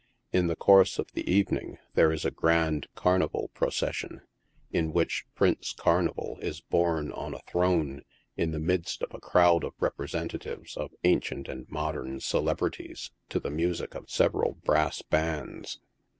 In the course of the evening there is a grand carnival procession, in which Prince Carnival is borne on a throne, in the midst of a crowd of representatives of ancient and modern celebrities to the music of several brass bands.